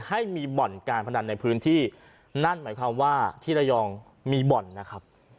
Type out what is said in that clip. ให้มีบ่อนการพนันในพื้นที่นั่นหมายความว่าที่ระยองมีบ่อนนะครับ